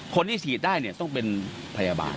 คนที่ฉีดได้ต้องเป็นพยาบาล